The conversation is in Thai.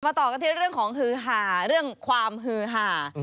ต่อกันที่เรื่องของฮือหาเรื่องความฮือหา